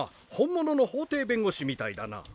本物の法廷弁護士みたいだな。